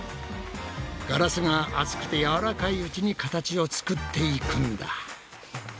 ガラスが熱くて柔らかいうちに形を作っていくんだ。